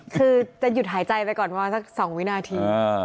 คือจะหยุดหายใจไปก่อนประมาณสัก๒วินาที